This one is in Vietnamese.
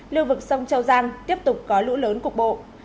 lưu vực sông châu giang tiếp tục có lũ lớn cục bộ